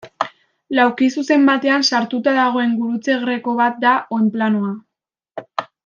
Laukizuzen batean sartuta dagoen gurutze greko bat da oinplanoa.